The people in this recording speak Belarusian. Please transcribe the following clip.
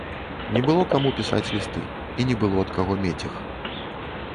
Не было каму пісаць лісты і не было ад каго мець іх.